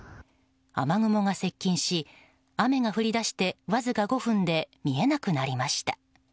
雨雲が接近し、雨が降り出してわずか５分で見えなくなりました。